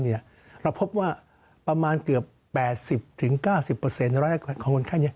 เราพบว่าประมาณเกือบ๘๐๙๐ของคนไข้นี้